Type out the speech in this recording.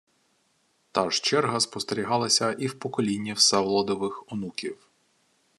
Та ж черга спостерігалася і в поколінні Всеволодових онуків